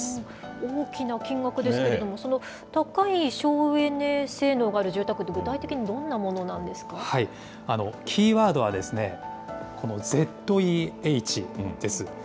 大きな金額ですけれども、その高い省エネ性能がある住宅って、キーワードはですね、このＺＥＨです。